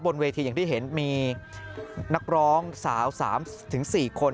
บนเวทีอย่างที่เห็นมีนักร้องสาว๓๔คน